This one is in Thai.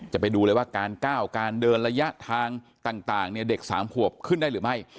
จะไปดูเลยว่าการก้าวการเดินระยะทางต่างเนี่ยเด็ก๓ขวบขึ้นได้หรือไม่